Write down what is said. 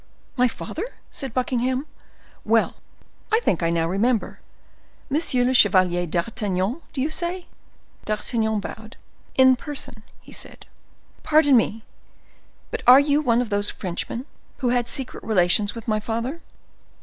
"My father?" said Buckingham. "Well, I think I now remember. Monsieur le Chevalier d'Artagnan, do you say?" D'Artagnan bowed. "In person," said he. "Pardon me, but are you one of those Frenchmen who had secret relations with my father?"